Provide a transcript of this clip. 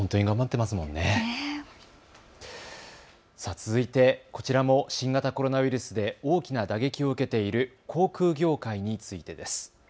続いて、こちらも新型コロナウイルスで大きな打撃を受けている航空業界についてです。